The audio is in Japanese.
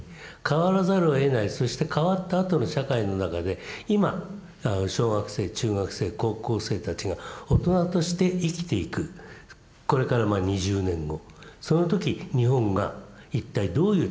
変わらざるをえないそして変わったあとの社会の中で今小学生中学生高校生たちが大人として生きていくこれからまあ２０年後その時日本が一体どういう立ち位置にいるのか。